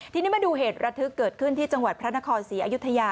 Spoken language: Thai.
ทีนี้มาดูเหตุระทึกเกิดขึ้นที่จังหวัดพระนครศรีอยุธยา